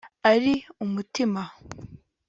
ari umutima